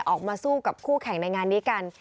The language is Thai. ออกมาสู้กับคู่แข่งในงานนี้กัน